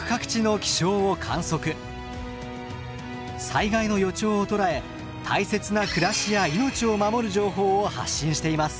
災害の予兆を捉え大切な暮らしや命を守る情報を発信しています。